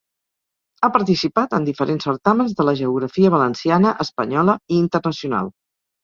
Ha participat en diferents certàmens de la geografia valenciana, espanyola i internacional.